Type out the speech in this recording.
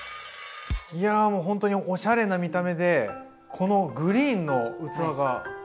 いやもうほんとにおしゃれな見た目でこのグリーンの器が。